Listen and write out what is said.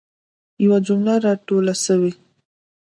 یوه جمله را توله سوي.